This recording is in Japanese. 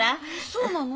そうなの？